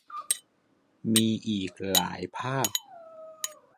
มีอีกหลายภาพ